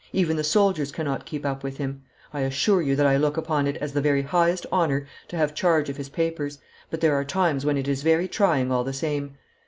Even the soldiers cannot keep up with him. I assure you that I look upon it as the very highest honour to have charge of his papers, but there are times when it is very trying all the same.